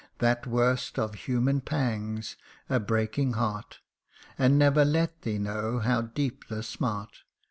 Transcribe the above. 55 That worst of human pangs, a breaking heart, And never let thee know how deep the smart